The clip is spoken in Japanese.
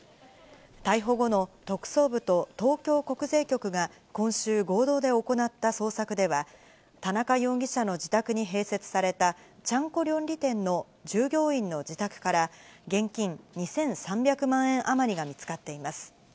逮捕後の特捜部と東京国税局が今週、合同で行った捜索では、田中容疑者の自宅に併設されたちゃんこ料理店の従業員の自宅から、現金２３００万円余りが見つかっています。